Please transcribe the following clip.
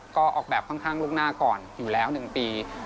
ก็ออกแบบข้างล่วงหน้าก่อนอยู่แล้ว๑ปี